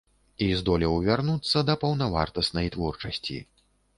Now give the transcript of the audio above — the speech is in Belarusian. І здолеў вярнуцца да паўнавартаснай творчасці.